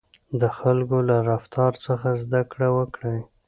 د خلکو له رفتار څخه زده کړه وکړئ.